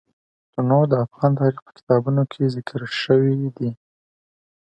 تنوع د افغان تاریخ په کتابونو کې ذکر شوی دي.